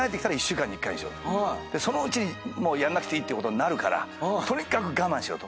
そのうちにもうやんなくていいってことになるからとにかく我慢しろと。